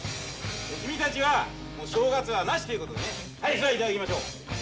君たちは、正月はなしということでね、はい、それじゃ、頂きましょう。